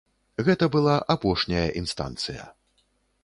Гэта была апошняя інстанцыя.